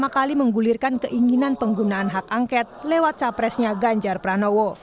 pertama kali menggulirkan keinginan penggunaan hak angket lewat capresnya ganjar pranowo